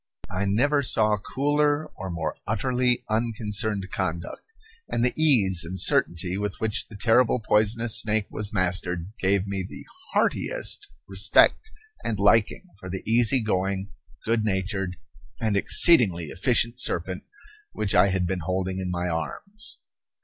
I never saw cooler or more utterly unconcerned conduct; and the ease and certainty with which the terrible poisonous snake was mastered gave me the heartiest respect and liking for the easy going, good natured, and exceedingly efficient serpent which I had been holding in my arms.